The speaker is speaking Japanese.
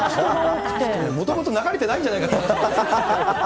もともと流れてないんじゃないかって話なんだけど。